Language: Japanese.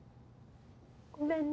ごめんね